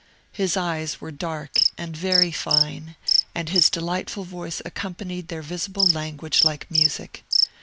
His eyes were dark and very fine, and his delightful voice accompanied their visible language like music.